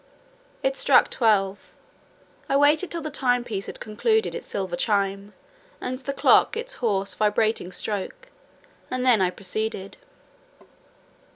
It struck twelve—I waited till the time piece had concluded its silver chime, and the clock its hoarse, vibrating stroke, and then I proceeded.